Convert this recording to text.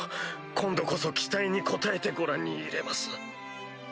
今度こそ期待に応えてご覧に入れます。